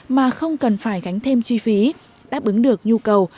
mà không cần phải gánh thêm chi phí đáp ứng được nhu cầu